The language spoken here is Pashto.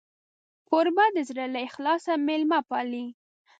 کوربه د زړه له اخلاصه میلمه پالي.